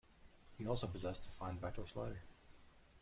He also possessed a fine backdoor slider.